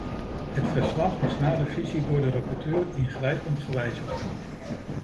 Het verslag is na revisie door de rapporteur ingrijpend gewijzigd.